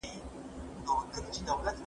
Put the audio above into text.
تاوانونه انسان ته د ژوند رښتیني درسونه ورکوي.